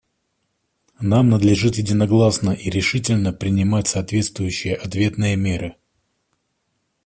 Нам надлежит единогласно и решительно принимать соответствующие ответные меры.